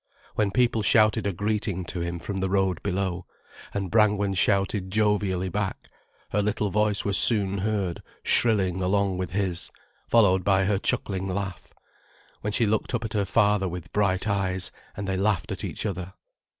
When people shouted a greeting to him from the road below, and Brangwen shouted jovially back, her little voice was soon heard shrilling along with his, followed by her chuckling laugh, when she looked up at her father with bright eyes, and they laughed at each other.